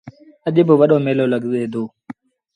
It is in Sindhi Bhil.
اَڄ با وڏو ميلو لڳي دو۔